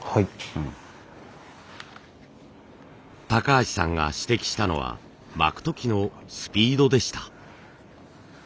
橋さんが指摘したのは巻く時のスピードでした。